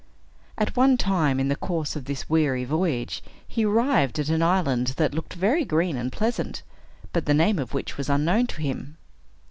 At one time in the course of this weary voyage, he arrived at an island that looked very green and pleasant, but the name of which was unknown to him.